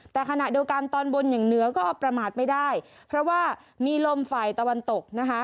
แต่ขณะเดียวกันตอนบนอย่างเหนือก็ประมาทไม่ได้เพราะว่ามีลมฝ่ายตะวันตกนะคะ